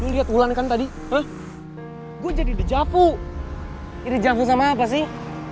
lihat ulangkan tadi gue jadi dejavu ide jangkau sama apa sih